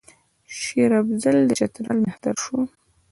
شېر افضل د چترال مهتر شو.